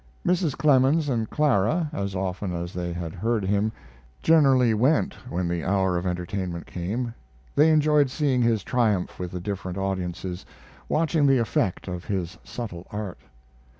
Mrs. Clemens and Clara, as often as they had heard him, generally went when the hour of entertainment came: They enjoyed seeing his triumph with the different audiences, watching the effect of his subtle art.